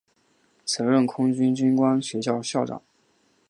曾任空军军官学校校长。